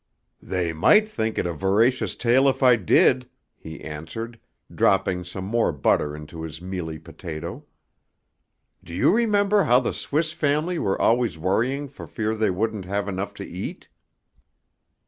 "They might think it a voracious tale if I did," he answered, dropping some more butter into his mealy potato. "Do you remember how the Swiss Family were always worrying for fear they wouldn't have enough to eat?"